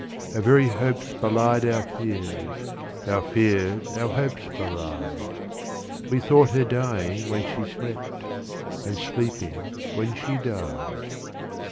Our very hopes belied our fears, Our fears our hopes belied; 10 We thought her dying when she slept, And sleeping when she died.